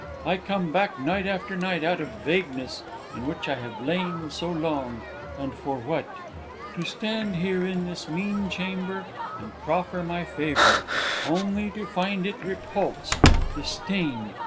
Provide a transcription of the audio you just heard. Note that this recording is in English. I come back night after night out of the vagueness in which I have lain so long, and for what? To stand here in this mean chamber and proffer my favour, only to find it repulsed, disdained.